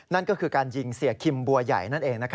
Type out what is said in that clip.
นั่นก็คือการยิงเสียคิมบัวใหญ่นั่นเอง